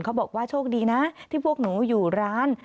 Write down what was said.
เขาบอกว่าโชคดีนะที่พวกหนูอยู่ร้าน